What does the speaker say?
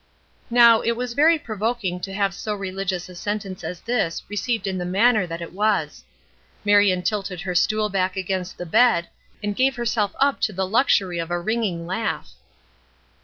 Now, it was very provoking to have so religious a sentence as this received in the manner that it was. Marion tilted her stool back against the bed, and gave herself up to the luxury of a ringing laugh.